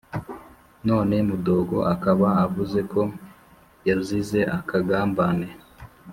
none mudogo akaba avuzeko yazize akagambane